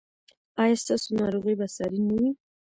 ایا ستاسو ناروغي به ساري نه وي؟